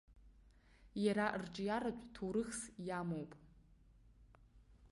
Иара рҿиаратә ҭоурыхс иамоуп.